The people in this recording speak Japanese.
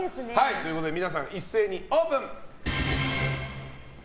ということで皆さん一斉にオープン！